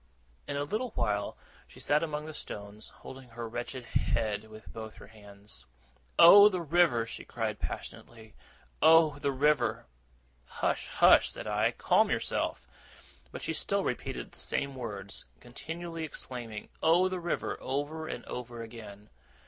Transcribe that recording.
In a little while she sat among the stones, holding her wretched head with both her hands. 'Oh, the river!' she cried passionately. 'Oh, the river!' 'Hush, hush!' said I. 'Calm yourself.' But she still repeated the same words, continually exclaiming, 'Oh, the river!' over and over again.